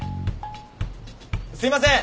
すいません！